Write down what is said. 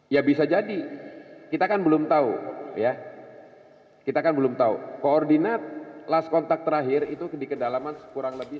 ya bisa jadi kita kan belum tahu ya kita kan belum tahu koordinat last contact terakhir itu di kedalaman kurang lebih